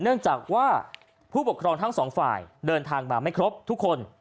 เนื่องจากว่าผู้ปกครองทั้งสองฝ่ายเดินทางมาไม่ครบทุกคน